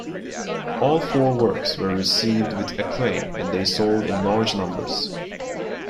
All four works were received with acclaim and they sold in large numbers.